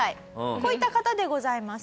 こういった方でございます。